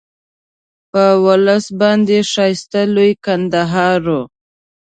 په ولس باندې ښایسته لوی کندهار وو.